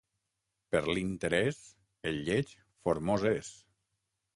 Per l'interès, el lleig formós és.